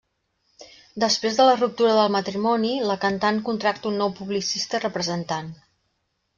Després de la ruptura del matrimoni, la cantant contracta un nou publicista i representant.